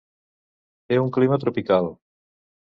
Té un clima tropical.